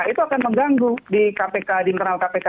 itu akan mengganggu di internal kpk